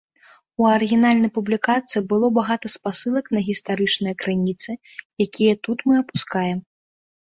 У арыгінальнай публікацыі было багата спасылак на гістарычныя крыніцы, якія тут мы апускаем.